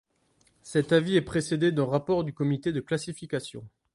Cet avis est précédé d’un rapport du comité de classification.